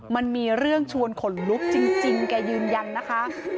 มันมีเรื่องชวนขนลุกจริงแกยืนยันนะคะ